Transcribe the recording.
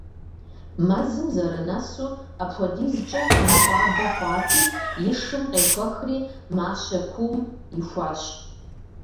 Мэзым зэрынэсу, апхуэдизкӀэ лъэныкъуабэ хъуати, и шым къехуэхри мащэ куум ихуащ.